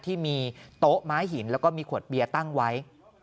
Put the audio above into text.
ที่มีโต๊ะม้าหินแล้วก็มีขวดเบียร์ตั้งไว้